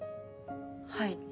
はい。